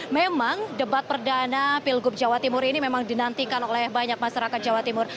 memang debat perdana pilgub jawa timur ini memang dinantikan oleh banyak masyarakat jawa timur